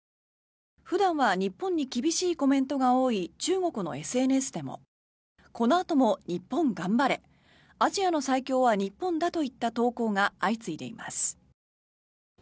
普段は日本に厳しいコメントが多い中国のＳＮＳでもこのあとも日本頑張れアジアの最強は日本だといった投稿が相次いでいます。